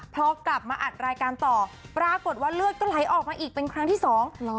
พอกลับมาอัดรายการต่อปรากฏว่าเลือดก็ไหลออกมาอีกเป็นครั้งที่สอง